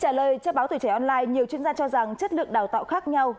trả lời cho báo tuổi trẻ online nhiều chuyên gia cho rằng chất lượng đào tạo khác nhau